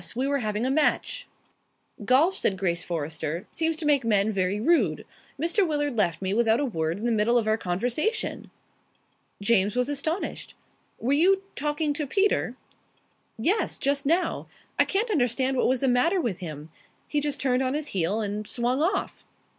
We were having a match." "Golf," said Grace Forrester, "seems to make men very rude. Mr. Willard left me without a word in the middle of our conversation." James was astonished. "Were you talking to Peter?" "Yes. Just now. I can't understand what was the matter with him. He just turned on his heel and swung off."